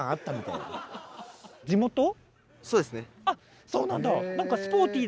あっそうなんだ。